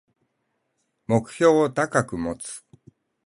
目標を高く持つ